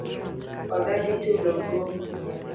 Odagi chulo gopa